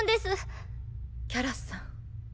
キャラさん。